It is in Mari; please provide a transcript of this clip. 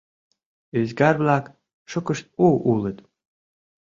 Ӱзгар-влак шукышт у улыт.